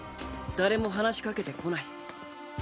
誰も話しかけてこない。